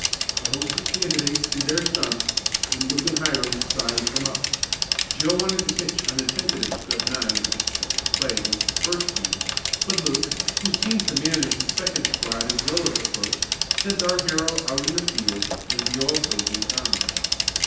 A host of candidates did their "stunts" and Luke and Hiram "sized them up." Joe wanted to pitch on the tentative scrub nine that was picked to play against the first team, but Luke, who seemed to manage the second squad as well as the first, sent our hero out in the field, as he also did Tom.